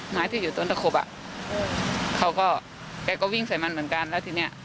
ไม้ที่อยู่ต้นตะขบอ่ะเขาก็แกก็วิ่งใส่มันเหมือนกันแล้วทีเนี้ย